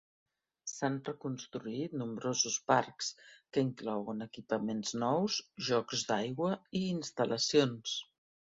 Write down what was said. S'han reconstruït nombrosos parcs, que inclouen equipaments nous, jocs d'aigua i instal·lacions.